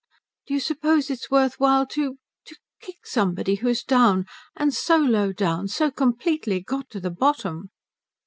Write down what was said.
"Do you suppose it's worth while to to kick somebody who's down? And so low down? So completely got to the bottom?"